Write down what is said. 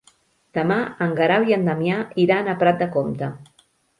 Demà en Guerau i en Damià iran a Prat de Comte.